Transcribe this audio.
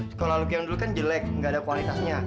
sekolah lucky yang dulu kan jelek gak ada kualitasnya